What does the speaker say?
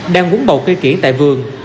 đang vốn bầu cây kỉ tại vườn